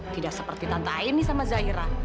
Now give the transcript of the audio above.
tidak seperti tante aini sama zaira